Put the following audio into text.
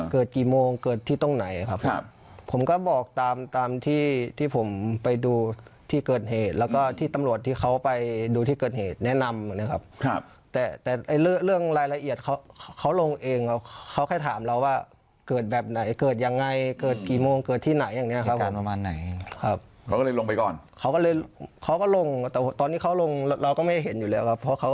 เกิดกี่โมงเกิดที่ตรงไหนครับผมก็บอกตามตามที่ที่ผมไปดูที่เกิดเหตุแล้วก็ที่ตำรวจที่เขาไปดูที่เกิดเหตุแนะนำนะครับครับแต่แต่เรื่องรายละเอียดเขาเขาลงเองครับเขาแค่ถามเราว่าเกิดแบบไหนเกิดยังไงเกิดกี่โมงเกิดที่ไหนอย่างเงี้ครับผมประมาณไหนครับเขาก็เลยลงไปก่อนเขาก็เลยเขาก็ลงแต่ตอนนี้เขาลงเราก็ไม่เห็นอยู่แล้วครับเพราะเขา